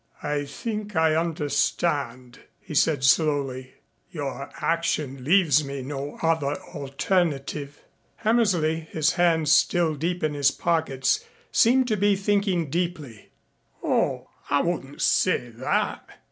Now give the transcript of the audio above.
"I think I understand," he said slowly. "Your action leaves me no other alternative." Hammersley, his hands still deep in his pockets, seemed to be thinking deeply. "Oh, I wouldn't say that.